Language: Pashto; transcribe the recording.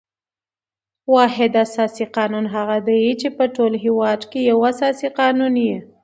واحد اساسي قانون هغه دئ، چي په ټول هیواد کښي یو اساسي قانون يي.